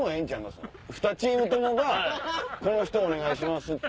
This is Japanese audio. ふたチームともがこの人お願いします！って。